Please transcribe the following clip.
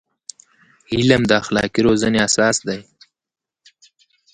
علم د اخلاقي روزنې اساس دی.